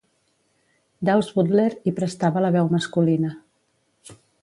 Daws Butler hi prestava la veu masculina.